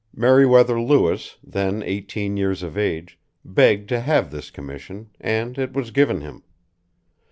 Meriwether Lewis, then eighteen years of age, begged to have this commission, and it was given him.